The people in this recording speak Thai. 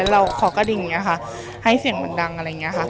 เราขอกระดิ่งอย่างนี้ค่ะให้เสียงมันดังอะไรอย่างนี้ค่ะ